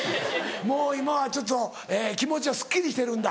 もう今はちょっと気持ちはすっきりしてるんだ。